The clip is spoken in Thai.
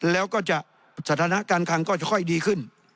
แล้วก็จะสถานะการคังก็จะค่อยดีขึ้น